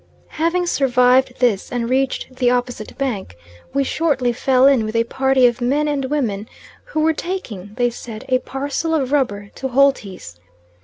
Having survived this and reached the opposite bank, we shortly fell in with a party of men and women, who were taking, they said, a parcel of rubber to Holty's.